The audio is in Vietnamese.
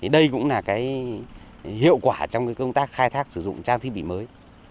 đây cũng là hiệu quả trong công tác khai thác sử dụng trang thiết bị mới